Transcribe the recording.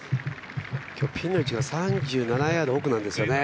今日、ピンの位置が３７ヤード奥なんですよね。